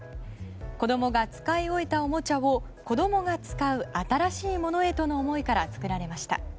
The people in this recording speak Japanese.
子供が使い終えたおもちゃが子供が使う新しいものへとの思いから作られました。